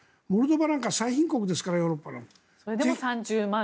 モルドバなんか最貧国ですからヨーロッパの。